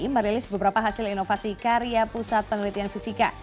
merilis beberapa hasil inovasi karya pusat penelitian fisika